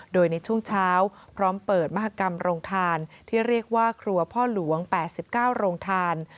โดยในช่วงเช้าพร้อมเปิดมหากรรมโรงทานที่เรียกว่าครัวพ่อหลวง๘๙โรงทาน